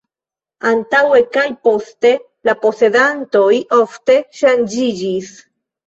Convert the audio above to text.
Antaŭe kaj poste la posedantoj ofte ŝanĝiĝis.